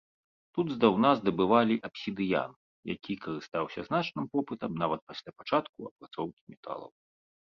Тут здаўна здабывалі абсідыян, які карыстаўся значным попытам нават пасля пачатку апрацоўкі металаў.